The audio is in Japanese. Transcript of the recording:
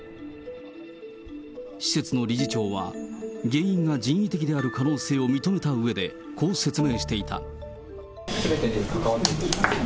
施設の理事長は、原因が人為的である可能性を認めたうえで、こう説明していた。